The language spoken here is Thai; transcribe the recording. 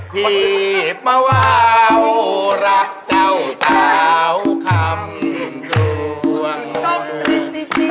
พี่มาวาวรักเจ้าสาวคำลวง